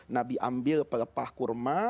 nabi ambil pelepah kurma